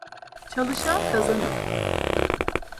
Çalışan, kazanır!